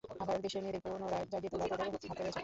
আবার দেশের মেয়েদের পুনরায় জাগিয়ে তোলাও তোদের হাতে রয়েছে।